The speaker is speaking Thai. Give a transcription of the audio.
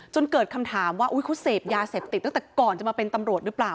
เกิดคำถามว่าเขาเสพยาเสพติดตั้งแต่ก่อนจะมาเป็นตำรวจหรือเปล่า